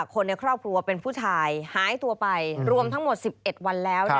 คนในครอบครัวเป็นผู้ชายหายตัวไปรวมทั้งหมด๑๑วันแล้ว